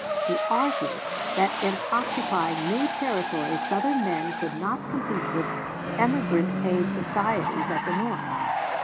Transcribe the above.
He argued that in occupying new Territories Southern men could not compete with emigrant aid societies at the North.